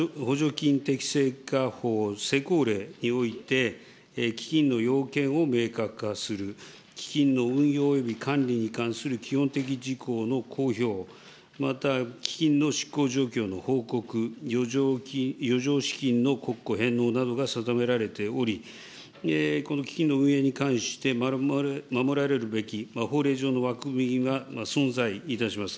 基金に関する法令上の枠組みとしては、まさに今、委員からご指摘のとおり、補助金適正化法施行令において、基金の要件を明確化する、基金の運用および管理に関する基本的事項の公表、また、基金の執行状況の報告、余剰資金の国庫返納などが定められており、この基金の運営に関して、守られるべき法令上の枠組みが存在いたします。